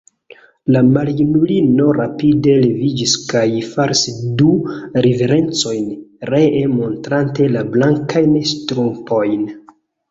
La maljunulino rapide leviĝis kaj faris du riverencojn, ree montrante la blankajn ŝtrumpojn.